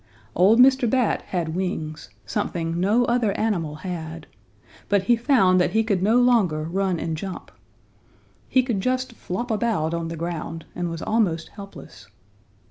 "Old Mr. Bat had wings; something no other animal had, but he found that he could no longer run and jump. He could just flop about on the ground, and was almost helpless.